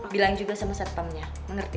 bilang juga sama satpamnya mengerti